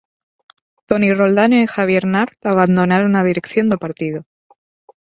Toni Roldán e Javier Nart abandonaron a dirección do partido.